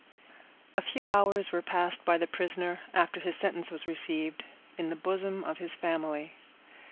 _ A few hours were passed by the prisoner, after his sentence was received, in the bosom of his family.